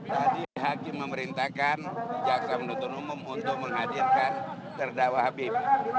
tadi hakim memerintahkan jaksa penuntut umum untuk menghadirkan terdakwa habib